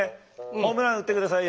ホームラン打ってくださいよ。